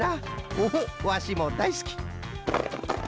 ンフワシもだいすき。